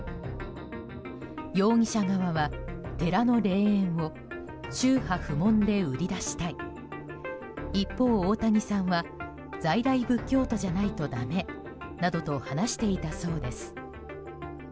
容疑者側は、寺の霊園を宗派不問で売り出したい一方、大谷さんは在来仏教徒じゃないとだめなどと話していたそうです。